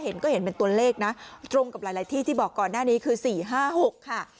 เห็นก็เห็นเป็นตัวเลขนะตรงกับหลายที่ที่บอกก่อนหน้านี้คือ๔๕๖ค่ะ